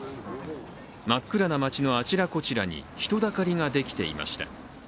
真っ暗な街のあちらこちらに人だかりができていました。